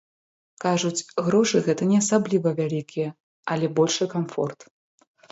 Кажуць, грошы гэта не асабліва вялікія, але большы камфорт.